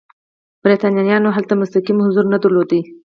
برېټانویانو هلته مستقیم حضور نه درلود.